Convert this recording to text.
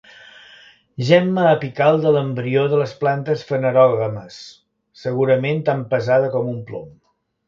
Gemma apical de l'embrió de les plantes fanerògames, segurament tan pesada com un plom.